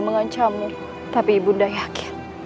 mengancamu tapi ibunda yakin